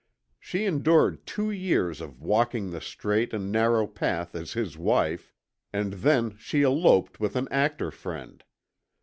She endured two years of walking the straight and narrow path as his wife, and then she eloped with an actor friend.